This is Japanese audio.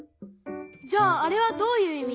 じゃああれはどういういみ？